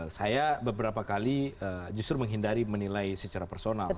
saya beberapa kali justru menghindari menilai secara personal